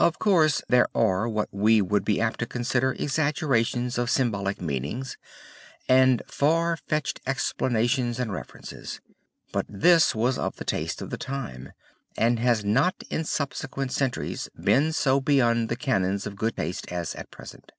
Of course there are what we would be apt to consider exaggerations of symbolic meanings and far fetched explanations and references, but this was of the taste of the time and has not in subsequent centuries been so beyond the canons of good taste as at present.